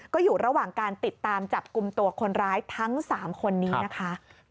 ก็อยู่ระหว่างการติดตามจับกลุ่มตัวคนร้ายทั้ง๓คนนี้นะคะ